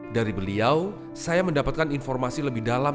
dari beliau saya mendapatkan informasi lebih dalam